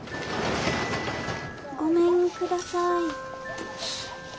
・ごめんください。